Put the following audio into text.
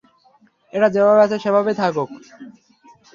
এঁটা যেভাবে আছে সেভাবেই থাকুক!